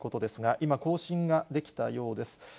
今、更新ができたようです。